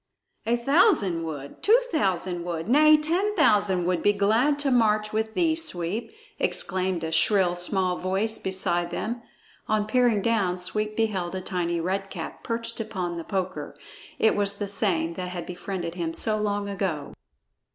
"A thousand would! Two thousand would Nay! ten thousand would be glad to march with thee, Sweep!" exclaimed a shrill small voice beside them. On peering down, Sweep beheld a tiny Red Cap perched upon the poker; it was the same that had befriended him so long ago.